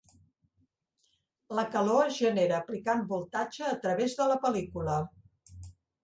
La calor es genera aplicant voltatge a través de la pel·lícula.